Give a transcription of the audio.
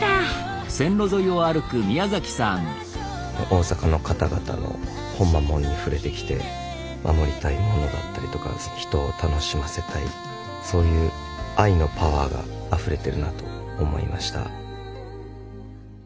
大阪の方々の「ほんまもん」に触れてきて守りたいものだったりとか人を楽しませたいそういう愛のパワーがあふれてるなと思いました。